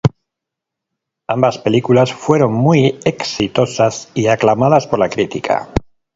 Ambas películas fueron muy exitosas y aclamadas por la crítica.